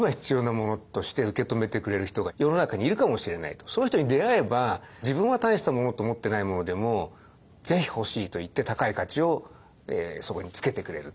つまりそういう人に出会えば自分は大したものと思ってないものでもぜひ欲しいといって高い価値をそこにつけてくれる。